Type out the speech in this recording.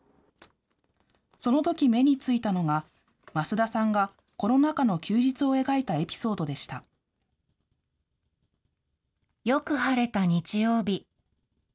そのとき目についたのが、益田さんがコロナ禍の休日を描いたエピよく晴れた日曜日。